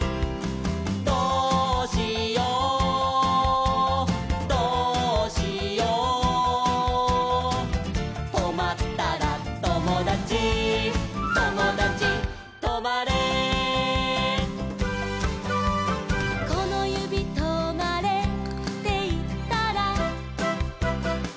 「どうしようどうしよう」「とまったらともだちともだちとまれ」「このゆびとまれっていったら」